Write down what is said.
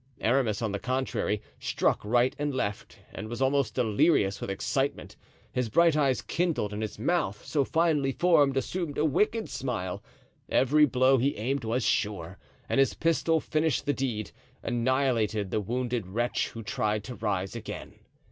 Aramis, on the contrary, struck right and left and was almost delirious with excitement. His bright eyes kindled, and his mouth, so finely formed, assumed a wicked smile; every blow he aimed was sure, and his pistol finished the deed—annihilated the wounded wretch who tried to rise again.